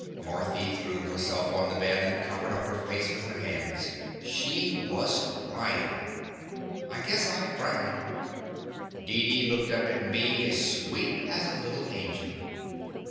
Marthy threw herself on the bed The Confessions of a Daddy and covered up her face with her hands. She was cryin\ I guess I frowned. Deedee looked up at me as sweet as a little angel.